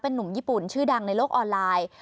หนุ่มญี่ปุ่นชื่อดังในโลกออนไลน์